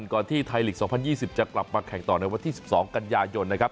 ก่อนที่ไทยลีก๒๐๒๐จะกลับมาแข่งต่อในวันที่๑๒กันยายนนะครับ